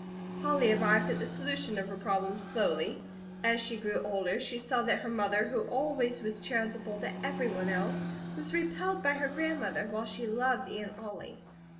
Polly arrived at the solution of her problem slowly. As she grew older, she saw that her mother, who always was charitable to everyone else, was repelled by her grandmother, while she loved Aunt Ollie.